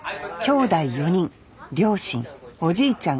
きょうだい４人両親おじいちゃん